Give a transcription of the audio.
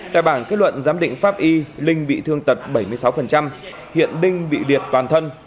tại bảng kết luận giám định pháp y linh bị thương tật bảy mươi sáu hiện linh bị điệt toàn thân